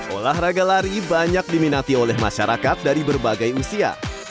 olahraga lari banyak diminati oleh masyarakat dari berbagai usia